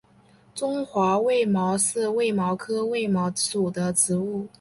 中华卫矛是卫矛科卫矛属的植物。